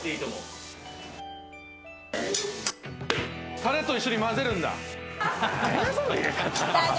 タレと一緒に混ぜるんだ。